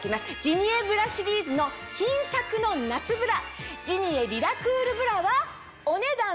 ジニエブラシリーズの新作の夏ブラジニエリラクールブラはお値段。